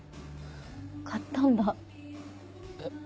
買ったんだえ